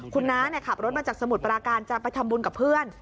คุณน้าขับรถมาจากสมุทรปราการจะไปทำบุญกับเพื่อน